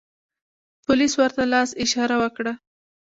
پولیس ورته لاس اشاره و کړه.